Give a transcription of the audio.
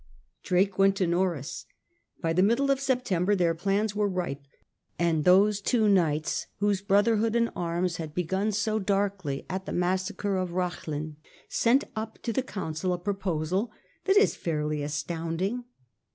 Drake went to Norreys. By the middle of September their plans were ripe, and those two knights whose brotherhood in arms had begun so darkly at the massacre of Rathlin, sent up to the Council a proposal that is fairly astounding.